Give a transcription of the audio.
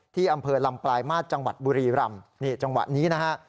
ที่อำเภอลำปลายมาตรจังหวัดบุรีรำนี่จังหวะนี้นะฮะ